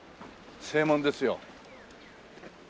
正門ですよ。